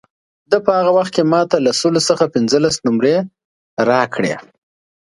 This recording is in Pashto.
ده په هغه وخت کې ما ته له سلو څخه پنځلس نمرې راکړې.